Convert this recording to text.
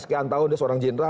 sekian tahun dia seorang jenderal